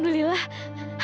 kau bisa berhasil